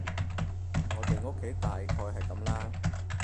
我哋屋企大概係噉啦